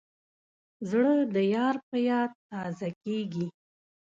زړه د یار په یاد تازه کېږي.